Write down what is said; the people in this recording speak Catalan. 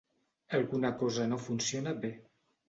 Alguna cosa no funciona bé.